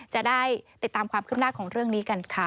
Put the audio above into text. จะได้ติดตามความคืบหน้าของเรื่องนี้กันค่ะ